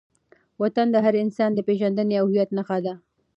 وطن د هر انسان د پېژندنې او هویت نښه ده.